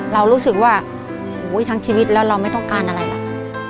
เรารู้สึกว่าทั้งชีวิตแล้วเราไม่ต้องการอะไรล่ะ